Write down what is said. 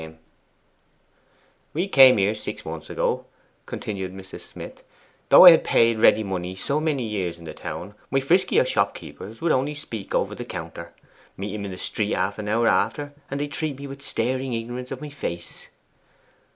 'When we came here six months ago,' continued Mrs. Smith, 'though I had paid ready money so many years in the town, my friskier shopkeepers would only speak over the counter. Meet 'em in the street half an hour after, and they'd treat me with staring ignorance of my face.